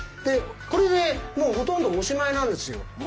これでもうほとんどおしまいなんですよ。